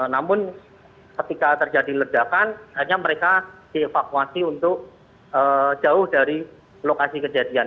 namun ketika terjadi ledakan hanya mereka dievakuasi untuk jauh dari lokasi kejadian